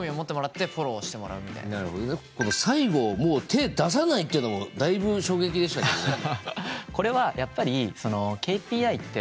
最後もう手出さないっていうのもだいぶ衝撃でしたけどね。